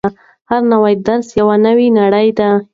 هر نوی درس یوه نوې نړۍ ده.